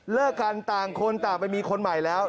เลิกกันต่างคนต่างไปมีคนใหม่แล้ว